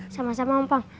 sama sama om fang